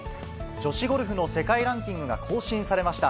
女子ゴルフの世界ランキングが更新されました。